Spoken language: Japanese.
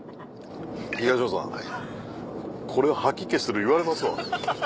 東野さんこれは吐き気する言われますわ。